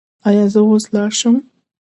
ایا زه اوس لاړ شم؟